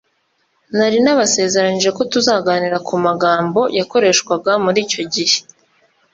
, nari nabasezeranyije ko tuzaganira ku magambo yakoreshwaga muricyo gihe